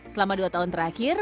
selama dua tahun terakhir